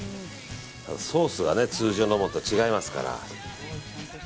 ソースが通常のものと違いますから。